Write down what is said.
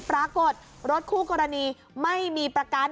ปรากฏรถคู่กรณีไม่มีประกัน